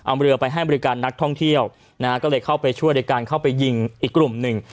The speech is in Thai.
เอาเรือไปให้บริการนักท่องเที่ยวนะฮะก็เลยเข้าไปช่วยในการเข้าไปยิงอีกกลุ่มหนึ่ง